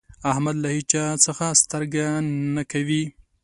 احمد له هيچا څځه سترګه نه کوي.